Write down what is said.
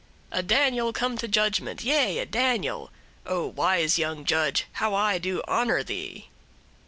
A Daniel come to judgment; yea, a Daniel! O wise young judge, how I do honor thee!